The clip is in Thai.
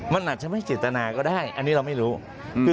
มันอาจจะไม่เจตนาก็ได้อันนี้เราไม่รู้